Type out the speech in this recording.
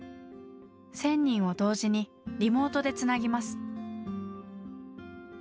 １，０００人を同時にリモートでつなぎます。